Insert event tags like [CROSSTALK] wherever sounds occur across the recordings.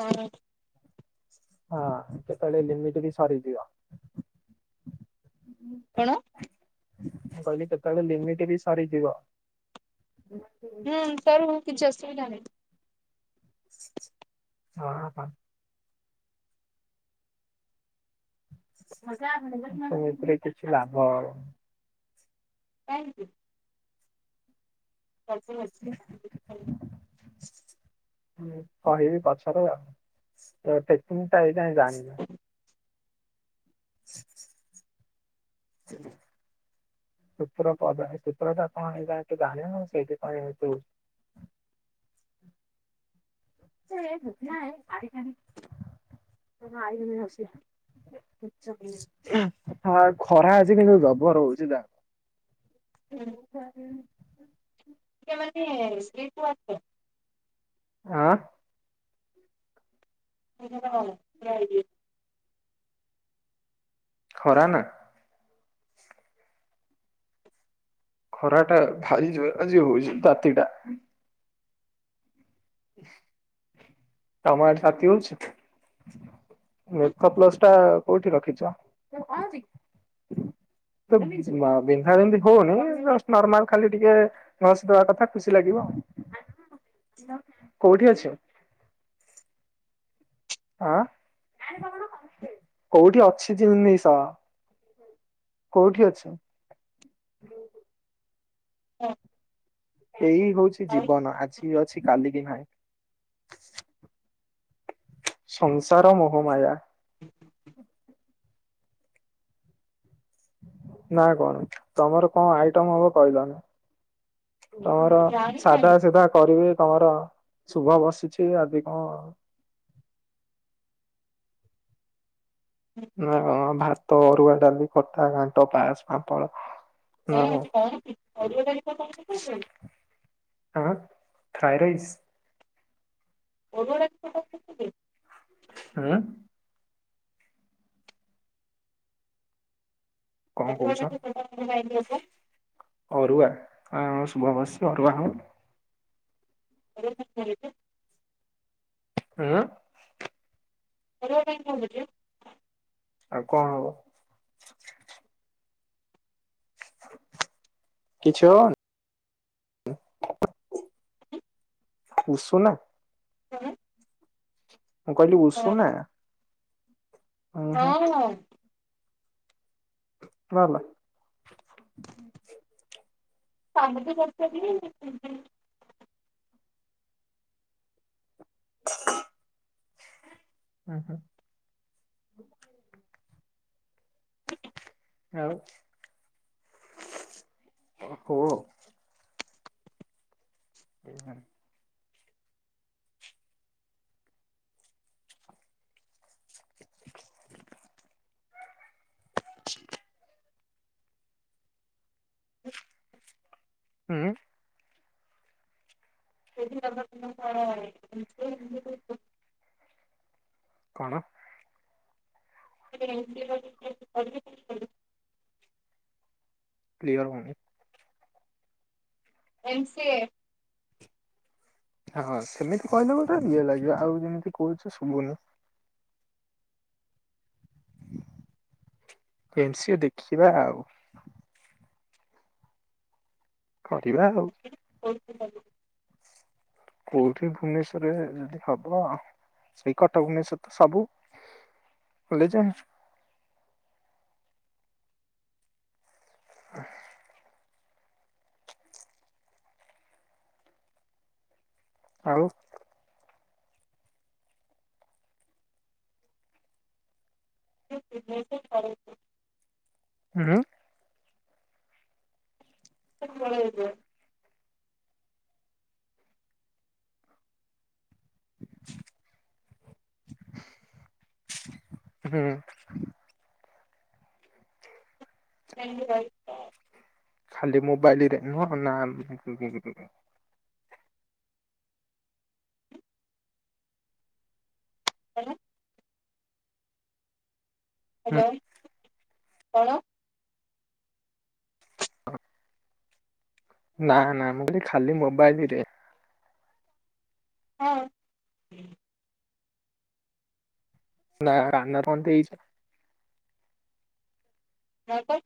ହଁ ହଁ କେତେବେଳେ ଲିମିଟ ବି ସରିଯିବ କଣ ମୁଁ କହିଲି କେତେବେଳେ ଲିମିଟ ବି ସାରିଯିବ ହୁଁ ସାର୍ ମୁଁ କିଛି ଅସୁବିଧା ନାହିଁ ହଁ ସେତିରେ କିଛି ଲାଭ ଥ୍ୟାଙ୍କ ୟୁ ଚା ଁ କହିବି ପଛର ଆଉ ଟେକି ଟା ଏଇ ଯାଇ ଜାଣିବା ହ ହ ଶତ୍ର ପଦ ସୁତ୍ର ତ କପଣ ଏଇ ଯାୁ ଜାଣେ ସେଥିପାଇତୁ କାାରି କାର ଆଇ ଅସ ହଁ ଖରା ଅଛି କିନ୍ତୁ ଜବର ହହୁଛି ଯହାକୁ ହୁଁ ଟ ମାନେ ସ୍୍ରୀପୁ ଆ ହଁ ହ ହ ଯଏ ହରା ନା ଖରା ଟା ଭା ଯଏ ହଉଛି ତାତିଟା ତମ ଆଡେ ତାତି ହଉଛି? ମେଥପ୍ଲସ ଟା କୋଉଠି ରଖିଚ? ବିନ୍ଧା ବିନ୍ଧି ହଉନି ଜଷ୍ଟ ନର୍ମାଲ ଖାଲି ଟିକେ ଘସି ଦେବା କଥା ଖୁସି ଲାଗିବ ଆଉ। କୋଉଠି ଅଛି? ଆଁ କୋଉଠି ଅଛି ଜିନିଷ? କୋଉଠି ଅଛି? ହଁ। ଏଇ ହଉଛି ଜୀବନ ଆଜି ଅଛି କାଲି କି ନହିଁ। ସଂସାର ମୋହମାୟା। ନା କଣ ତମର କଣ ଆଇଟମ୍ ହବ କହିଲନି? ତମର ସାଧା ନାହିଁ ସିଧା କରିବେ ତମର ଶୁଭ ବସିଛି ଆଜି କଣ ନା ଭାତ ଅରୁଆ ଡାଲି ଖଟା ଘାଣ୍ଟ ପାସ ପାମ୍ପଡ। କଣ ହେଉଚି କଣ ଅରୁଆ [UNINTELLIGIBLE] ହଁ ଥାଇ ରାଇସ୍? [UNINTELLIGIBLE] ହୁଁ। କଣ ଅରୁଆ କୋଉଚ? ଡାଲି ପକାଉଚନ୍ତି କାହିଁକି ହବ ଅରୁଆ ହଁ ଶୁଭ ବସିଚି ଅରୁଆ ହଉ। [UNINTELLIGIBLE] ଉଁ। ଅରୁଆ କାଇଁ ଖାଉଚକିଅ। ଆଉ କଣ ହବ? କିଛି ହବନି? ଉଷୁନା? କଣ। ମୁଁ କହିଲି ଉଷୁନା? ଉଁ ହୁଁ ହଁ। ଭଲ। ସାଙ୍ଗ ତ [UNINTELLIGIBLE] ହୁଁ ହୁଁ। ଆଉ କୁହ। [UNINTELLIGIBLE] ହୁଁ। [UNINTELLIGIBLE] କଣ? [UNINTELLIGIBLE] କ୍ଲିୟର ହୋଉନି। ଏମ୍ ସିଏ। ହଁ ସେମିତି କହିଲେ ଗୋଟେ ଇଏ ଲାଗିବ ଆଉ ଯେମିତି କହୁଚ ଶୁବୁନି। ଏମ୍ ସିଏ ଦେଖିବା ଆଉ। କରିବା ଆଉ। [UNINTELLIGIBLE] କୋଉଠି ଭୁବନେଶ୍ଵରରେ ଯଦି ହବ ସେଇ କଟକ ଭୁବନେଶ୍ଵର ତ ସବୁ। କଲେଜେ। ଆଉ। [UNINTELLIGIBLE] କରେଇଚି। ଉଁ ହୁଁ। ସେ ପଳେଇବେ। ହୁଁ। [UNINTELLIGIBLE] ଖାଲି ମୋବାଇଲ୍ ରେ ନୁହଁ ନା କଣ। ହ୍ୟାଲୋ କଣ। ନା ନା ମୁଁ କଇଲି ଖାଲି ମୋବାଇଲ୍ ରେ। ହଁ। ନା ରାନା କଣ ଦେଇଚି ନାଁ ତ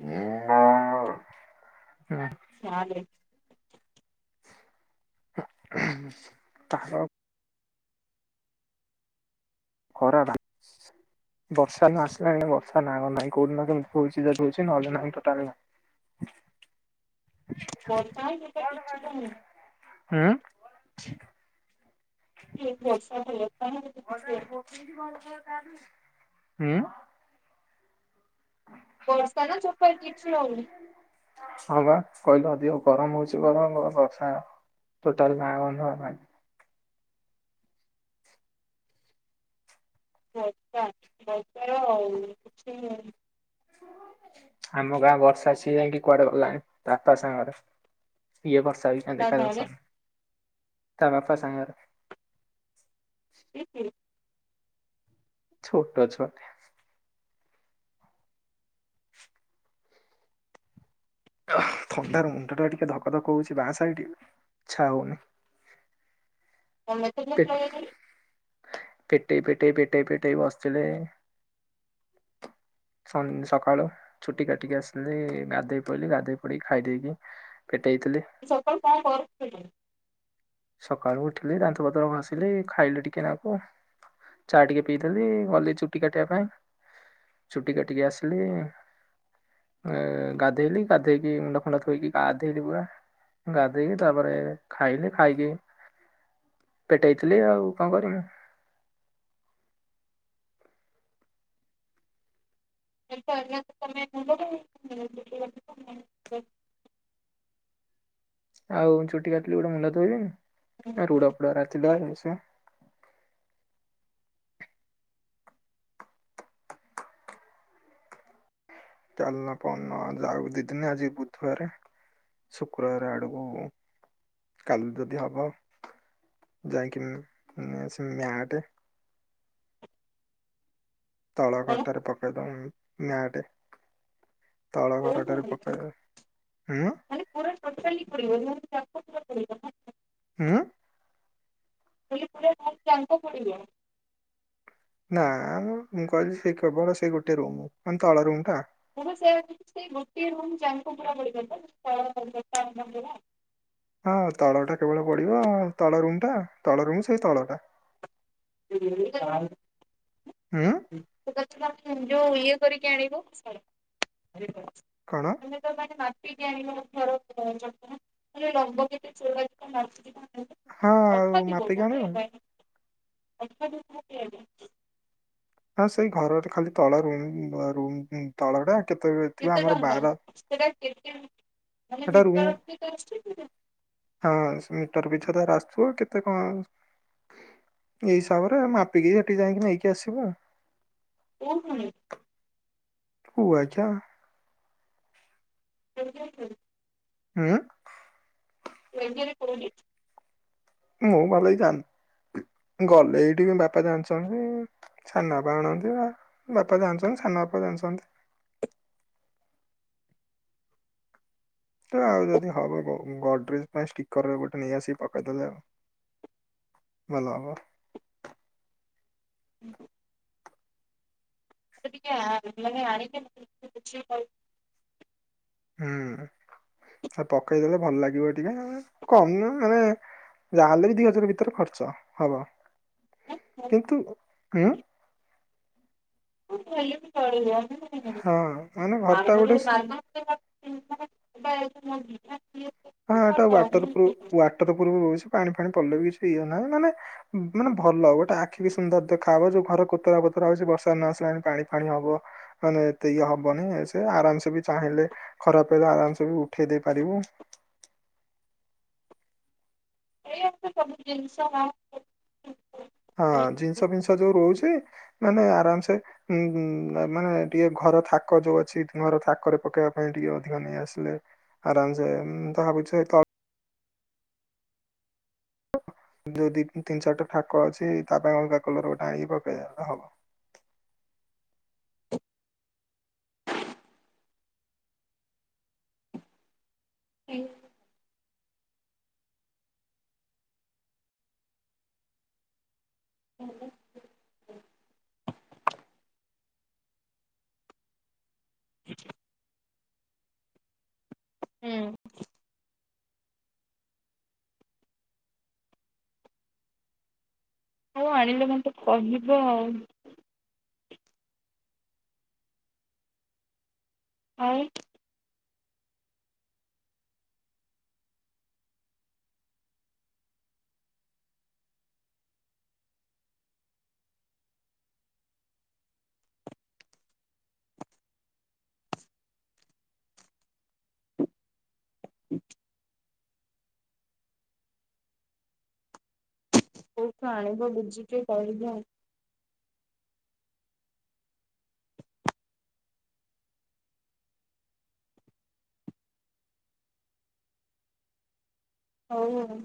ହୁଁ ତାହାଲେ ତାର ଖରାଟା ବର୍ଷା ଏଇନା ଆସିଲାଣି ବର୍ଷା ନାଆ ଗନ୍ଧ ନାହିଁ କୋଉ‌ ଦିନ କେମିତି ହୋଉଛି ଯଦି ହଉଛି ନହଲେ ନାହିଁ ଟୋଟାଲେ ନାହିଁ। ବର୍ଷା [UNINTELLIGIBLE] କିଛିତ ହେଇନି। ହୁଁ। ଠିକ୍ ବର୍ଷା ହେଲେ ହୁଁ। ବର୍ଷା ନା ଚୋପା କିଛି ହଉନି। ହଁ ବା କହିଲ ଅଧିକ ଗରମ ହଉଛି ଗରମ ବର୍ଷା ଟୋଟଲ ନାଁ ଗନ୍ଧ ନାହିଁ। ବର୍ଷା ବର୍ଷାର [UNINTELLIGIBLE] ଆମ ଗାଁ ବର୍ଷା ସିଏ ଯାଇକି କୁଆଡେ ଗଲାଣି ତା ବାପା ସାଙ୍ଗରେ ଏ ବର୍ଷା ବି ଏଇନା ଦେଖାଦର୍ଶନ ନାହିଁ ତା ବାପା ସାଙ୍ଗରେ [UNINTELLIGIBLE] ଛୋଟ ଛୁଆଟେ ଥଣ୍ଡାରୁ ମୁଣ୍ଡ ଟା ଟିକେ ଧକ ଧକ ହଉଛି ବାଆଁ ସାଇଟ ଇଛା ହଉନି। ପେ [UNINTELLIGIBLE] ପେଟେଇ ପେଟେଇ ପେଟେଇ ପେଟେଇ ବସିଥିବେ ସ ସକାଳୁ ଚୁଟି କାଟିକି ଆସିଲି ଗାଧେଇ ପେଇଲିି ଗାଧେଇ ପଡିଇକି ଖାଇ ଦେଇକି ପେଟେଇ ଥିଲି। ସକାଳୁ କଣ କରୁଥିଲୁ? ସକାଳୁ ଉଠିଲି ଦାନ୍ତପତ୍ର ଘସିଲି ଖାଇଲି ଟିକେ ନାକୁ। ଚା ଟିକେ ପିଇଦେଲି ଗଲି ଚୁଟି କାଟିବା ପାଇଁ। ଚୁଟି କାଟିକି ଆସିଲି। ଅ ଗାଧେଇଲି ଗାଧେଇକି ମୁଣ୍ଡ ଫୁଣ୍ଡ ଧୋଇକି ଗାଧେଇଲି ପୁରା ଗାଧେଇକି ତାପରେ ଖାଇଲି। ଖାଇକି ପେଟେଇ ଥିଲି ଆଉ କଣ କରିବି। ଏ ତ [UNINTELLIGIBLE] ଆଉ ଚୁଟି କାଟିଲି ଗୋଟେ ମୁଣ୍ଡ ଧୋଇବନି ରୁଢ ଫୁଡ ଗୁରା ଥିଲା ଇଏ ସିଏ କାଲିନା ପଅର ଦିନ ଯାଉ ଦିଦିନି ଆଜି ବୁଧବାରେ ଶୁକ୍ରବାର ଆଡ଼କୁ କାଲି ଯଦି ହବ ଯାଇକି ଉଁ ସେ ମ୍ୟାଟ ତଳ ଖଟରେ ପକେଇ ଦବ ମ୍ୟାଟେ ତଳ ଘରାଟାରେ ପକେଇବେ ହୁଁ ମାନେ ପୁରା ଟୋଟାଲି [UNINTELLIGIBLE] ହୁଁ ଲି ପୁରା ଘର ଜାଙ୍କ ପଡ଼ିବ ନା ମ ମୁଁ କହିଲି ସେ କେବଳ ସେ ଗୋଟେ ରୁମ୍ ମାନେ ତଳ ରୁମ୍ ଟା ମୁ ବା ସେଇଆ କହୁଛି ଗୋଟିଏ ରୁମ୍ ଜାଙ୍କ ପୁରା ପଡିପାରିବ ତଳ ଘର [UNINTELLIGIBLE] ହଁ ତଳ ଟା କେବଳ ପଡିବ ତଳ ରୁମ୍ ଟା ତଳ ରୁମ୍ ସେଇ ତଳଟା। [UNINTELLIGIBLE] ହୁଁ [UNINTELLIGIBLE] ଯୋଉ ଇଏ କରିକି ଆଣିବ କଣ? [UNINTELLIGIBLE] ମାଟି ଆଣିବ ଘର [UNINTELLIGIBLE] ରଙ୍ଗ ଟିକେ ହଁ ଆଉ ମାପିକି ଆଣିବୁନି [UNINTELLIGIBLE] [UNINTELLIGIBLE] ହଁ ସେଇ ଘରର ଖାଲି ତଳ ରୁମ୍ ରୁମ୍ ତଳଟା। କେତେ ଥିବ କେତେ ଆମର ଟଙ୍କା ବାର ସେଇଟା କେତେ ମାନେ ସେଟା ରୁମ୍ ମିଟରକୁ କେତେ ଆସୁଛି କି ହଁ ମିଟର ପିଛା ତ ହେରା ଆସୁଥିବ କେତେ କଣ ଏଇ ହିସାବରେ ମାପିକି ସେଠିକି ଯାଇକି ନେଇକି ଆସିବୁ। କୋଉଠୁ ଆଣିବୁ? କୁଆଖିଆ। [UNINTELLIGIBLE] ହୁଁ। ଏମବିଏ [UNINTELLIGIBLE] ମୁଁ ଭଲକି ଜାଣିନି ଗଲେ ଏଇଠିକି ବାପା ଜାଣିଛନ୍ତି ସାନ ବାପା ଆଣନ୍ତି ବା ବାପା ଜାଣିଛନ୍ତି ସାନ ବାପା ଜାଣିଛନ୍ତି। ଆଉ ଯଦି ହବ ଗ ଗଡରେଜ ପାଇଁ ଷ୍ଟିକର ଗୋଟେ ନେଇ ଆସିକି ପକେଇ ଦେଲେ ଭଲ ହବ। [INAUDIBLE] ସେ ଟିକେ ଆଣିକି ମାନେ ଆଣିକି ଭଲରେ ବୁଝିକି କହିବୁ। ହୁଁ ଆ ପକେଇଦେଲେ ଭଲ ଲାଗିବ ଟିକେ କମ ନୁହେଁ ମାନେ ଯାହାହେଲେ ବି ଦି ହଜାର ଭିତରେ ଖର୍ଚ୍ଚ ହବ ନା କିନ୍ତୁ ହୁଁ ହେଲେ ବି ଚଳିବ ହଁ ମାନେ ଘରଟା ଗୋଟେ ସୁ- [UNINTELLIGIBLE] ମାର୍ବଲ [UNINTELLIGIBLE] ହଁ ଏଇଟା ୱାଟର ପ୍ରୁଫ ୱାଟର ପ୍ରୁଫ୍ ରହୁଛି ପାଣି ଫାଣି ପଡ଼ିଲେ ବି କିଛି ଇଏ ନାହିଁ ମାନେ ମାନେ ଭଲ ଗୋଟେ ଆଖିକି ସୁନ୍ଦର ଦେଖା ହବ ଯୋଉ ଘର କୋତରା ପୋତରା ହଉଛି ବର୍ଷା ନ ଆସିଲାଣି ପାଣି ଫାଣି ହବ। ମାନେ ଏତେ ଇଏ ହବନି ସେ ଆରାମସେ ବି ଚାହିଁଲେ ଖରାପ ହେଲେ ଆରାମସେ ବି ଉଠେଇ ଦେଇ ପାରିବ। ଏଇଆ ତ ସବୁ ଜିନିଷ ଯାହା ହଁ ଜିନିଷ ଫିନିଷ ଯୋଉ ରହୁଛି ମାନେ ଆରାମ ସେ ହୁଁ ମାନେ ଟିକେ ଘର ଥାକ ଯୋଉ ଅଛି ଘର ଥାକରେ ପକେଇବା ପାଇଁ ଟିକେ ଅଧିକ ନେଇ ଆସିଲେ ଆରାମ ସେ ମୁଁ ତ ଭାବୁଛି ଏଇ ଥ ଯୋଉ ଦି ତିନି ଚାରିଟା ଥାକ ଅଛି ତା ପାଇଁ ଅଲଗା କଲର ଗୋଟେ ଆଣିକି ପକେଇ ଦେଲେ ହବ। ଏ [UNINTELLIGIBLE] [INAUDIBLE] ହୁଁ। ହଉ ଆଣିଲେ ମତେ କହିବୁ ଆଉ। ଆଉ [INAUDIBLE] କୋଉଠୁ ଆଣିବ ବୁଝିକି କହିବୁ ଆଉ। ହଉ ଆଉ।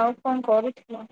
ଆଉ କଣ କରୁଥିଲୁ?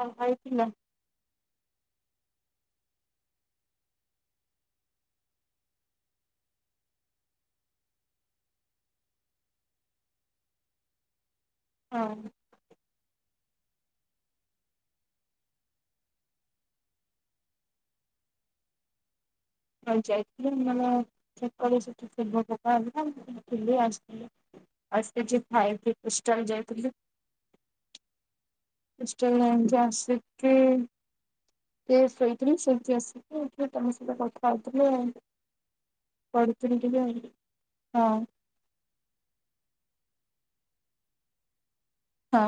କଣ ଖାଇ ଥିଲୁ? ହଁ। ହଁ ଯାଇଥିଲି ମ ସେ ଠିକ୍ ତେଲ ପକା ହେଲା ମୁଁ ଥିଲି ଆସିଥିଲି। ଆସି ଖାଇ ପିଇ ଇଷ୍ଟାଲ ଯାଇଥିଲି। ଇଷ୍ଟାଲ୍ ଯାଇକି ଆସିକି ସେ ଶୋଇଥିଲି ସେମିତି ଆସିକି ଏଥି ତମ ସହିତ କଥା ହଉଥିଲି ଆଉ। ଗଢ଼ୁ ଥିଲି ଟିକେ ଆଉ ହଁ। ହଁ।